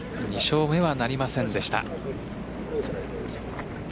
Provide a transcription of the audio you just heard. ２勝目はなりませんでした。